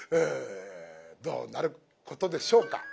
どうなることでしょうか。